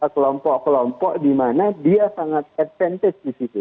kelompok kelompok di mana dia sangat advantage di situ